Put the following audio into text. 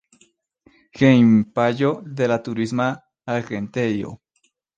Hejmpaĝo de la turisma agentejo.